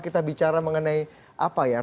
kita bicara mengenai apa ya